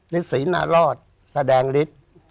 นี่ศีลนารอดแสดงฤทธิ์